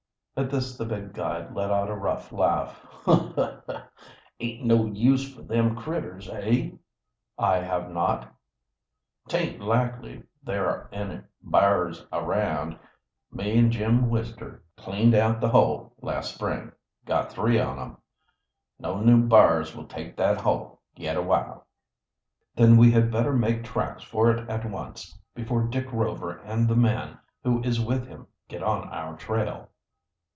At this the big guide let out a rough laugh. "Aint got no use fer them critters, eh?" "I have not." "'Taint likely there are any b'ars around. Me an Jim Wister cleaned out the hole last spring got three on 'em. No new b'ars will take that hole yet awhile." "Then we had better make tracks for it at once before Dick Rover and the man who is with him get on our trail."